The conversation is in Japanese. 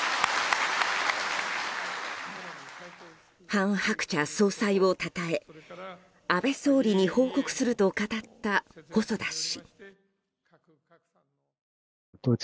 韓鶴子総裁をたたえ安倍総理に報告すると語った細田氏。